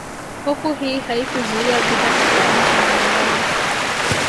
Hofu hii haikuzuia vita katika nchi mbalimbali